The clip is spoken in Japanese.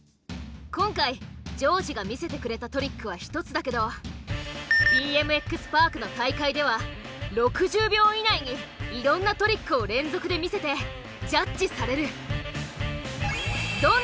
今回丈司が見せてくれたトリックは１つだけどＢＭＸ・パークの大会では６０秒以内にいろんなトリックを連続で見せてジャッジされる。